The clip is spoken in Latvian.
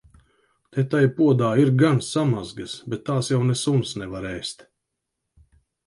Te tai podā ir gan samazgas, bet tās jau ne suns nevar ēst.